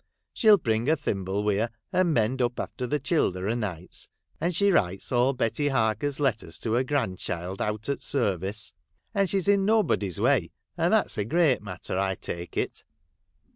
She'll bring her thimble wi' her, and mend up after the childer o' nights, — and she writes all Betty Barker's letters to her grandchild out at service, — and she 's in no body's way, and that's a great matter, I take it.